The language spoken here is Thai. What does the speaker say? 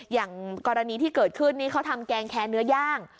อย่างกรณีที่เกิดขึ้นนี้เขาทำแกงแคร์เนื้อย่าง